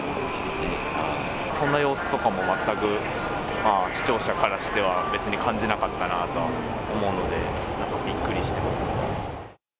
そんな様子とかもまったく、視聴者からしては、別に感じなかったなぁとは思うので、なんかびっくりしてます。